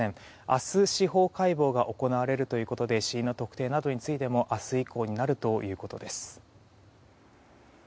明日、司法解剖が行われるということで死因の特定などについても明日以降になるということです。